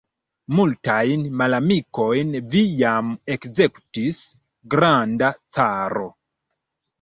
Multajn malamikojn vi jam ekzekutis, granda caro.